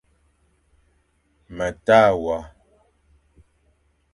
Me ta wa ;